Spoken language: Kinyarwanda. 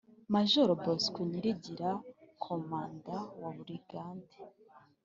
majoro bosco nyirigira: komanda wa burigade